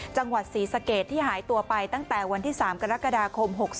จังหวัดศรีสะเกดที่หายตัวไปตั้งแต่วันที่๓กรกฎาคม๖๒